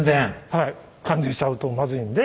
はい感電しちゃうとまずいんで。